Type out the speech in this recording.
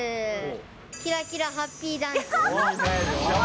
キラキラハッピーダンス。